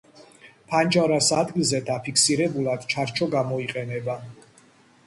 ფანჯარას ადგილზე დასაფიქსირებლად ჩარჩო გამოიყენება.